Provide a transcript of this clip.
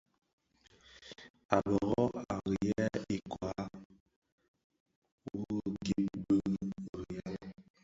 A bërô à rì yêê ikoɔ wu gib bi riyal.